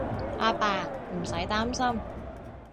阿爸，唔使擔心